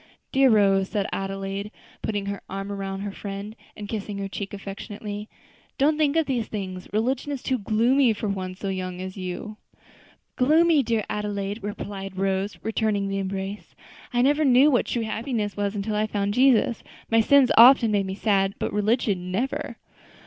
"Dear Rose," said Adelaide, putting her arm around her friend and kissing her cheek affectionately, "don't think of these things; religion is too gloomy for one so young as you." "Gloomy, dear Adelaide!" replied Rose, returning the embrace; "I never knew what true happiness was until I found Jesus. My sins often make me sad, but religion, never.